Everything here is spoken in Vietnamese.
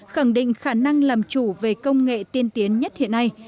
khẳng định khả năng làm chủ về công nghệ tiên tiến nhất hiện nay